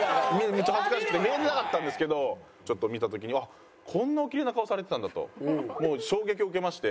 めっちゃ恥ずかしくて見れてなかったんですけどちょっと見た時にあっこんなおキレイな顔されてたんだともう衝撃を受けまして。